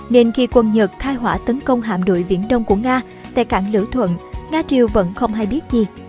nên khi quân nhật khai hỏa tấn công hạm đội viễn đông của nga tại cảng lữ thuận nga triều vẫn không hay biết gì